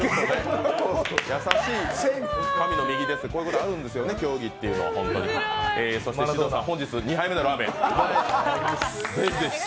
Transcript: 優しい神の右手、こういうことをあるんですよね、競技っていうのは獅童さん、本日２杯目のラーメン。